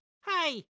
はい。